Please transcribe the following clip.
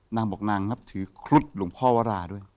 นางบอกนางนับถือครุฑหลวงพ่อวราด้วย